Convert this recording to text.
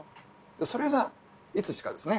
それがいつしかですね